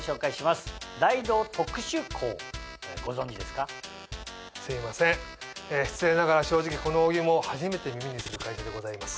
すいません失礼ながら正直この小木も初めて耳にする会社でございます。